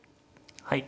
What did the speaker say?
はい。